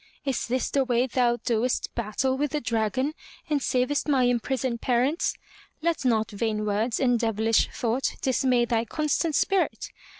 ''Is this the way thou doest battle with the dragon, and savest my imprisoned parents? Let not vain words and devilish thought dismay thy constant spirit!